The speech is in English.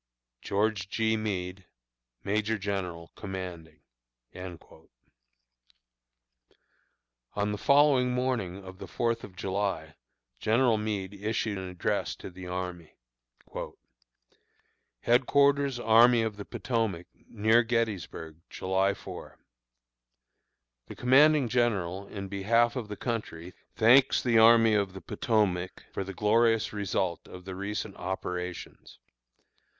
GEORGE G. MEADE, Major General Commanding. On the morning of the Fourth of July, General Meade issued an address to the army: HEADQUARTERS ARMY OF THE POTOMAC, Near Gettysburg, July 4. The commanding general, in behalf of the country, thanks the Army of the Potomac for the glorious result of the recent operations.